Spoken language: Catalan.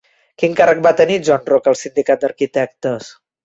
Quin càrrec va tenir Joan Roca al Sindicat d'Arquitectes?